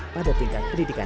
pada tingkat pendidikan